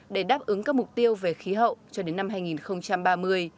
để đáp ứng các mục tiêu về khí hậu cho đến năm hai nghìn ba mươi